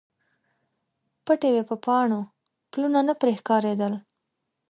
پټې وې په پاڼو، پلونه نه پرې ښکاریدل